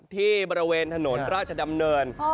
ที่บริเวณถนนราชดำเนิน